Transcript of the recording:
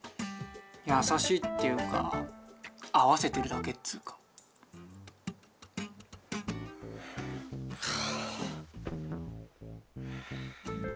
優しいっていうか合わせてるだけっつうか。は。